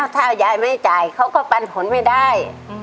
ถ้ายายไม่จ่ายเขาก็ปันผลไม่ได้